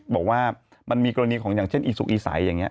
บอกว่ามันมีกรณีของอย่างเช่นอีสุกอีใสอย่างนี้